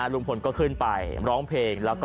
ลุงพลก็ขึ้นไปร้องเพลง